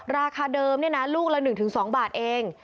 ราคาเดิมเนี่ยนะลูกละ๑๒บาทเอง